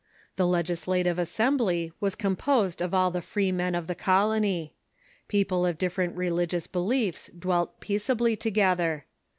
The legislative assembly was composed of all the freemen of the colony. People of different religious beliefs dwelt peaceably together.